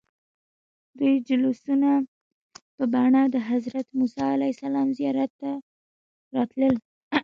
دوی جلوسونه په بڼه د حضرت موسى علیه السلام زیارت ته راتلل.